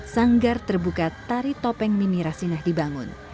sanggar terbuka tari topeng mimi rasinah dibangun